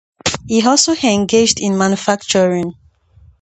He also engaged in manufacturing.